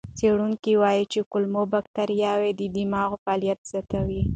څېړونکي وایي چې کولمو بکتریاوې د دماغ فعالیت زیاتوي.